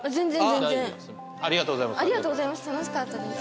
ありがとうございます。